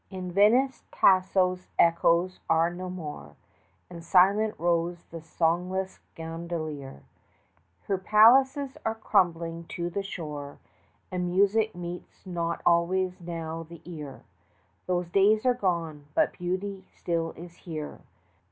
In Venice Tasso's echoes are no more, And silent rows the songless gondolier; 20 Her palaces are crumbling to the shore, And music meets not always now the ear: Those days are gone but Beauty still is here.